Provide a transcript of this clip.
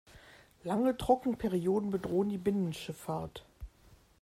Lange Trockenperioden bedrohen die Binnenschifffahrt.